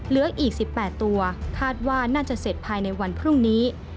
เหลืออีก๑๘ตัวคาดว่าน่าจะเสร็จภายในวันพรุ่งนี้